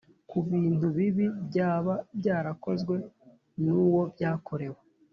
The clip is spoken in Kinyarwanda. Ku bintu bibi byaba byarakozwe n uwo byakorewe